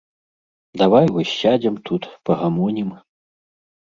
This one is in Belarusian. Давай вось сядзем тут, пагамонім.